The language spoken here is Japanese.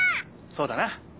そうだな！